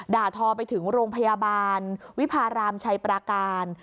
ทอไปถึงโรงพยาบาลวิพารามชัยปราการ